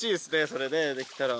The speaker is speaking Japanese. それねできたら。